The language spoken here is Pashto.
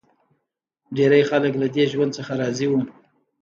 ډېری خلک له دې ژوند څخه راضي وو